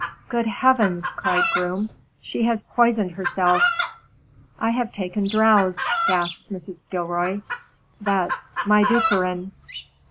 "Good Heavens!" cried Groom. "She has poisoned herself!" "I have taken drows," gasped Mrs. Gilroy. "That's my dukkerin!"